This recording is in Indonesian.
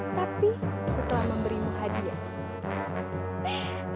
tapi setelah memberimu hadiah